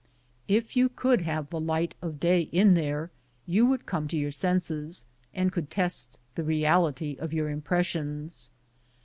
If you could have the light of day in there, you would come to your senses, and could test the reality of your impressions.